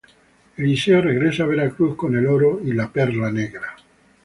Eliseo regresa a Veracruz con el oro y la perla negra.